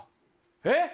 えっ？